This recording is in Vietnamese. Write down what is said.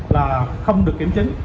là không được kiểm chứng